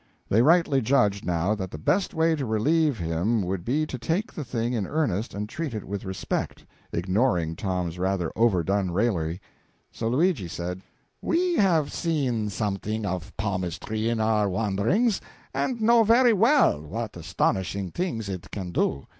They rightly judged, now, that the best way to relieve him would be to take the thing in earnest and treat it with respect, ignoring Tom's rather overdone raillery; so Luigi said "We have seen something of palmistry in our wanderings, and know very well what astonishing things it can do.